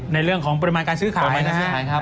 ในเรื่องของปริมาณการซื้อขายนะครับ